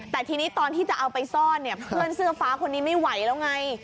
แต่ทีนี้ตอนที่จะเอาไปซ่อนเนี่ยเพื่อนเสื้อฟ้าคนนี้ไม่ไหวแล้วไง